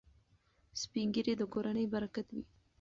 سپین ږیري د کورنۍ برکت وي.